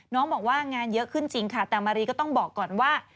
น้องบอกว่างานเยอะขึ้นจริงค่ะแต่มารีก็ต้องบอกก่อนว่า